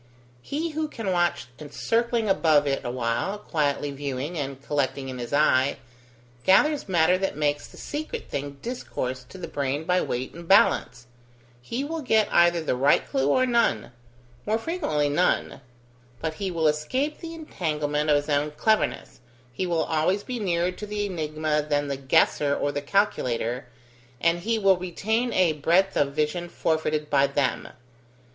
He who can watch circling above it awhile, quietly viewing, and collecting in his eye, gathers matter that makes the secret thing discourse to the brain by weight and balance; he will get either the right clue or none; more frequently none; but he will escape the entanglement of his own cleverness, he will always be nearer to the enigma than the guesser or the calculator, and he will retain a breadth of vision forfeited by them.